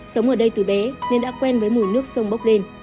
sống ở đây từ bé nên đã quen với mùi nước sông bốc lên